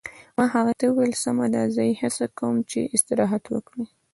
ما هغې ته وویل: سمه ده، زه یې هڅه کوم چې استراحت وکړي.